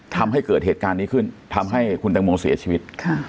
ทำให้เกิดเหตุการณ์นี้ขึ้นทำให้คุณตังโมเสียชีวิต